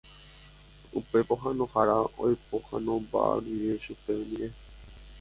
Upe pohãnohára oipohãnomba rire chupe oñe'ẽ.